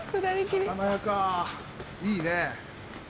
魚屋かいいね。